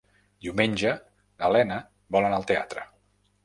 Diumenge na Lena vol anar al teatre.